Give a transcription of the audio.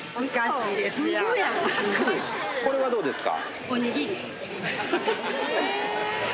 これはどうですか？